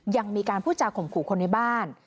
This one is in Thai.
ยังมีการพูดจาข่มขู่คนในบ้าน